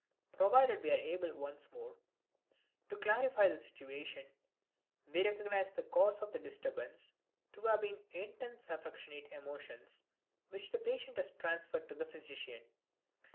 Provided we are able once more to clarify the situation, we recognize the cause of the disturbance to have been intense affectionate emotions, which the patient has transferred to the physician.